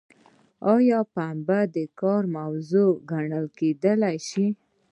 ایا پنبه د کار موضوع ګڼل کیدای شي؟